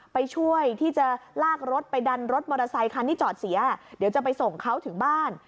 ไปช่วยที่จะลากรถไปดันรถมอเตอร์ไซคันที่จอดเสียเดี๋ยวจะไปส่งเขาถึงบ้าน